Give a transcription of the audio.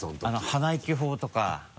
鼻息砲とか。